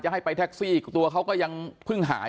ให้ไปแท็กซี่ตัวเขาก็ยังเพิ่งหาย